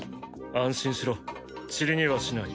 安心しろ塵にはしない。